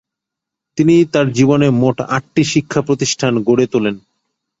তিনি তার জীবনে মোট আট টি শিক্ষা প্রতিষ্ঠান গড়ে তোলেন।